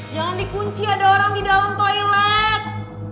jangan dikunci ada orang di dalam toilet